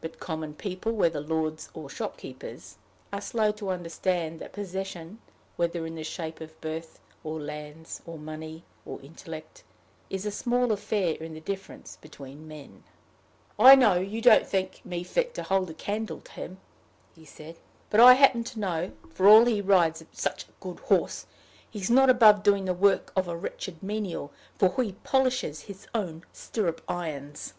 But common people, whether lords or shopkeepers, are slow to understand that possession, whether in the shape of birth, or lands, or money, or intellect, is a small affair in the difference between men. "I know you don't think me fit to hold a candle to him," he said. "But I happen to know, for all he rides such a good horse, he's not above doing the work of a wretched menial, for he polishes his own stirrup irons."